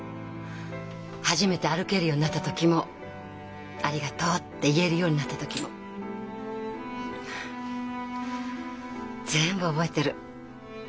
初めて歩けるようになった時も「ありがとう」って言えるようになった時も全部覚えてる。